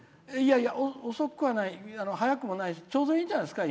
遅くはない早くもないちょうどいいんじゃないですか。